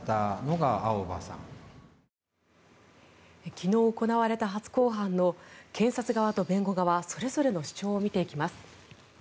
昨日、行われた初公判の検察側と弁護側それぞれの主張を見ていきます。